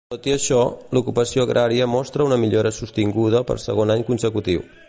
Tot i això, l'ocupació agrària mostra una millora sostinguda per segon any consecutiu.